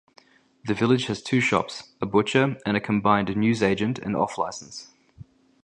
The village has two shops: a butcher and a combined newsagent and off licence.